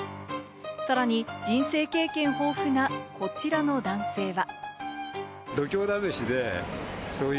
さらに人生経験豊富なこちらの男性は。